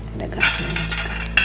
ada garamnya juga